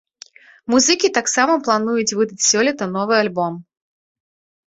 Музыкі таксама плануюць выдаць сёлета новы альбом.